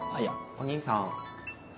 お義兄さん。